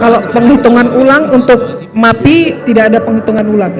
kalau penghitungan ulang untuk mapi tidak ada penghitungan ulang